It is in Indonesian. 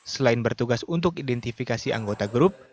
selain bertugas untuk identifikasi anggota grup